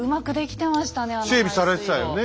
整備されてたよね。